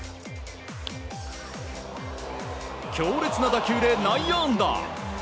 強烈な打球で内野安打。